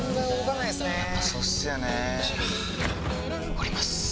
降ります！